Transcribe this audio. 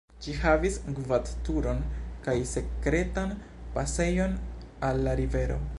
Ĝi havis gvat-turon kaj sekretan pasejon al la rivero.